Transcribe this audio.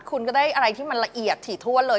คุณก็ได้อะไรที่มันละเอียดถี่ถ้วนเลย